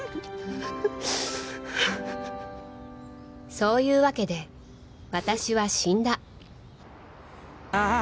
そういうわけで私は死んだ